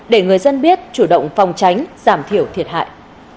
để người dân biết chủ động phòng tránh giảm thiểu thiệt hại